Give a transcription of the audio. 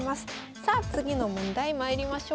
さあ次の問題まいりましょう。